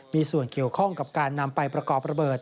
มีส่วนเกี่ยวข้องกับการนำไปประกอบระเบิด